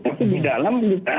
tapi di dalam kita